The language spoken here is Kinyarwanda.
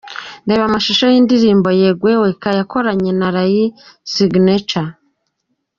Reba amashusho y'indirimbo 'Yegwe weka' yakoranye na Ray Signature.